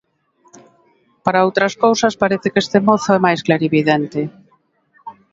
Para outras cousas parece que este mozo é máis clarividente...